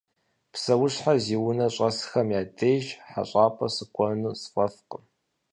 Псэущхьэ зи унэ щӏэсхэм я деж хьэщӏапӏэ сыкӏуэну сфӏэфӏкъым.